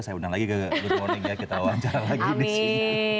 saya undang lagi ke good morning ya kita wawancara lagi di sini